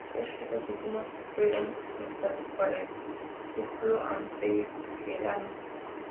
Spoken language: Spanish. Estos dos últimos fueron pintados para el Círculo Antequerano.